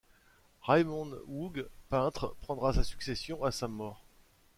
Raymond Woog, peintre, prendra sa succession à sa mort.